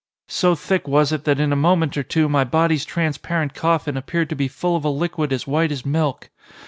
So thick was it that in a moment or two my body's transparent coffin appeared to be full of a liquid as white as milk.